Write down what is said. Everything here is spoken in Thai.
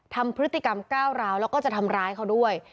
ทำพฤติกรรมก้าวร้าวแล้วก็จะทำร้ายเขาด้วย